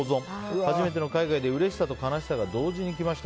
初めての海外でうれしさと悲しさが同時に来ました。